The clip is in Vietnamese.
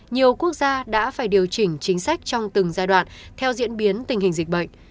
nhiều quốc gia đã phải điều chỉnh chính sách trong từng giai đoạn theo diễn biến tình hình dịch bệnh